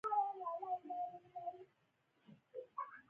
باد او د هوا جریان د حیوان پر ځواک اغېز لري.